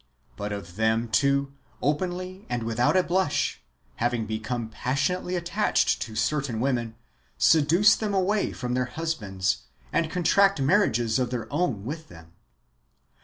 Others of them, too, openly and without a blush, having become passionately attached to certain w^omen, seduce them away from their husbands, and contract marriages of their own with them.